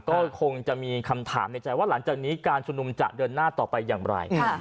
ก็คงจะมีคำถามในใจว่าหลังจากนี้การชุมนุมจะเดินหน้าต่อไปอย่างไร